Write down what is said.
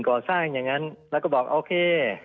ก่อสร้างอย่างนั้นแล้วก็บอกโอเค